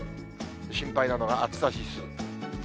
心配なのが暑さ指数。